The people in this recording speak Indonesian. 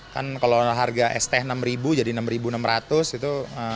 kan kalau harga st enam ribu jadi rp enam enam ratus itu